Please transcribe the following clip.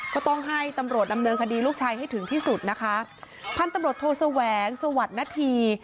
ก็ต้องให้ตำรวจดำเนินคดีลูกชายให้ถึงที่สุดนะคะพันธุ์ตำรวจโทแสวงสวัสดิ์นาธี